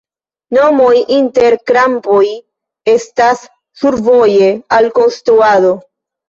Nomoj inter krampoj estas survoje al konstruado.